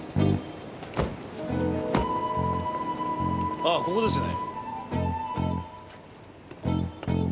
ああここですね。